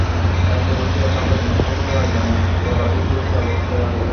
খাইতে বসিয়া খাবার জিনিসপত্র ও আয়োজনের ঘটা দেখিয়া সে অবাক হইয়া গেল।